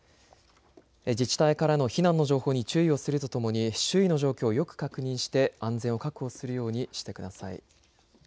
自治体からの避難の情報に注意をするとともに周囲の状況をよく確認して安全を確保するようにしてください。